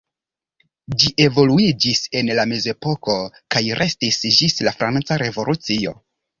Ĝi evoluiĝis en la mezepoko kaj restis ĝis la Franca revolucio.